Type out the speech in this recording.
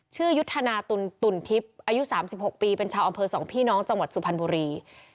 ยุทธนาตุ่นทิพย์อายุ๓๖ปีเป็นชาวอำเภอ๒พี่น้องจังหวัดสุพรรณบุรี